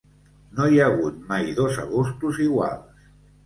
No hi ha hagut mai dos agostos iguals.